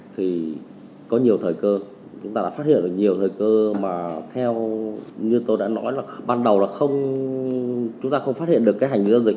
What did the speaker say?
thì có nhiều thời cơ chúng ta đã phát hiện được nhiều thời cơ mà theo như tôi đã nói là ban đầu là chúng ta không phát hiện được cái hành dương dịch